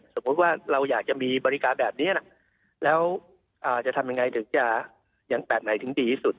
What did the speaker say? สมมุติว่าเราอยากจะมีบริการแบบนี้แล้วจะทำยังไงถึงจะอย่างแบบไหนถึงดีที่สุด